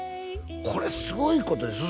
これすごいことです